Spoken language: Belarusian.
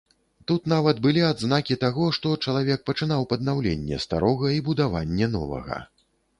Тут нават былі адзнакі таго, што чалавек пачынаў паднаўленне старога і будаванне новага.